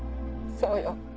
そうよ。